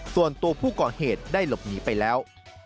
ส่วนตัวผู้ก่อเหตุได้หลบหนีไปแล้ว